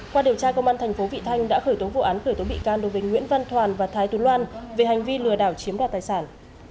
qua điều tra công an thành phố vị thanh đã khởi tố vụ án khởi tố bị can đối với nguyễn văn toàn và thái tú loan về hành vi lừa đảo chiếm đoạt tài sản